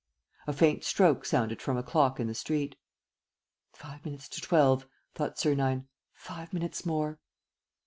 A faint stroke sounded from a clock in the street. "Five minutes to twelve," thought Sernine. "Five minutes more."